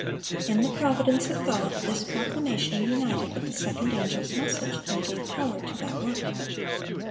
In the providence of God, this proclamation united with the second angel's message, and gave power to that work.